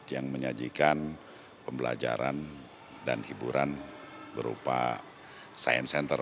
yang menyajikan pembelajaran dan hiburan berupa science center